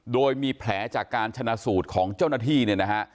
โดยมีแผลจากการชนะสูตรของเจ้าหน้าที่เนี่ยนะฮะ